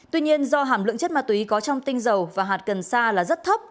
tuy nhiên do hàm lượng chất ma túy có trong tinh dầu và hạt cần sa là rất thấp